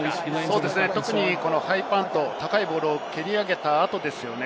特にハイパント、高いボールを蹴り上げた後ですね。